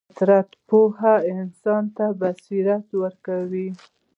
فطري پوهه انسان ته بصیرت ورکوي.